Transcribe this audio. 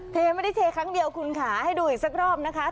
ไม่ได้เทครั้งเดียวคุณค่ะให้ดูอีกสักรอบนะคะ